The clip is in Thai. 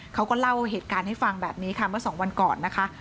เขาก็เล่าเหตุการณ์ให้ฟังแบบนี้ค่ะเมื่อสองวันก่อนนะคะ